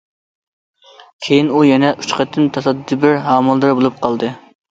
كېيىن، ئۇ يەنە ئۈچ قېتىم تاسادىپىي ھامىلىدار بولۇپ قالدى.